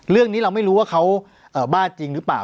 เรื่องนี้เราไม่รู้ว่าเขาบ้าจริงหรือเปล่า